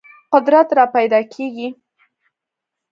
قدرت راپیدا کېږي.